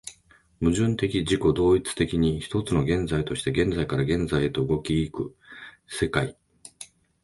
矛盾的自己同一的に、一つの現在として現在から現在へと動き行く世界